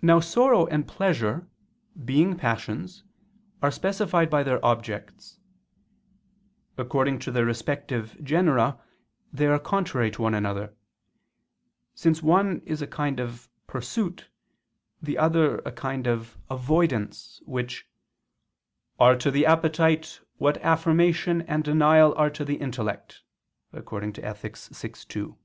Now sorrow and pleasure, being passions, are specified by their objects. According to their respective genera, they are contrary to one another: since one is a kind of pursuit, the other a kind of avoidance, which "are to the appetite, what affirmation and denial are to the intellect" (Ethic. vi, 2).